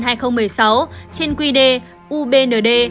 trên quy đề ubnd